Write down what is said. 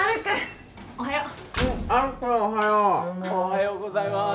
おはようおはようございます